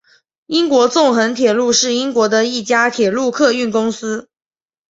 英国纵贯铁路是英国的一家铁路客运公司。